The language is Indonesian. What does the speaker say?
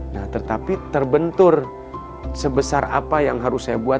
nah tetapi terbentur sebesar apa yang harus saya buat